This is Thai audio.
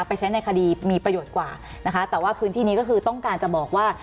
ไปใช้ในคดีมีประโยชน์กว่านะคะแต่ว่าพื้นที่นี้ก็คือต้องการจะบอกว่า